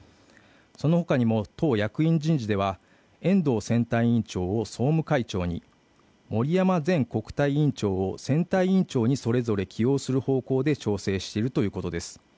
そのほかにも党役員人事では遠藤選対委員長を総務会長に森山前国対委員長を選対委員長にそれぞれ起用する方向で調整しているということです。